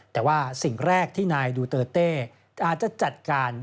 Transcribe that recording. แต่ว่าสิ่งแรกที่นายดูเตอร์เต้อาจจะจัดการ